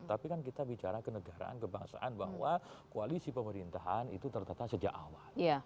tapi kan kita bicara kenegaraan kebangsaan bahwa koalisi pemerintahan itu tertata sejak awal